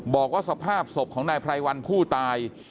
บอกว่าสภาพศพของนายไพรวันผู้ตาย